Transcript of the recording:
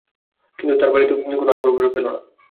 কিন্তু তার বাড়ীতে কোন আসবাবপত্র পেল না।